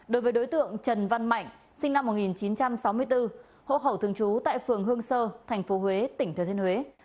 đối với đối tượng trần văn mạnh sinh năm một nghìn chín trăm sáu mươi bốn hộ khẩu thường trú tại phường hương sơ tp huế tỉnh thừa thiên huế